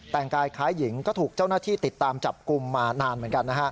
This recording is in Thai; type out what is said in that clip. แต่งกายคล้ายหญิงก็ถูกเจ้าหน้าที่ติดตามจับกลุ่มมานานเหมือนกันนะฮะ